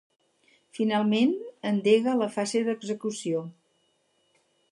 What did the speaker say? Finalment, endega la fase d’execució.